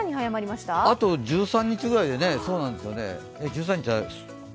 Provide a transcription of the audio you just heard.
あと１３日ぐらいでね。